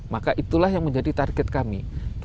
maka itulah yang menjadi target kami